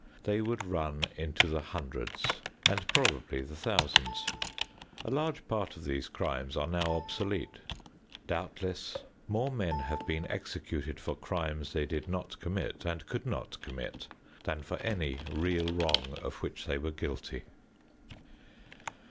They would run into the hundreds and probably the thousands. A large part of these crimes are now obsolete. Doubtless more men have been executed for crimes they did not commit and could not commit than for any real wrong of which they were guilty.